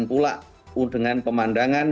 pula dengan pemandangan